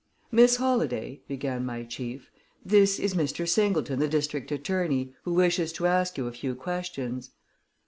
"Miss Holladay," began my chief, "this is Mr. Singleton, the district attorney, who wishes to ask you a few questions."